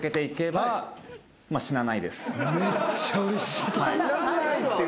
めっちゃうれしい。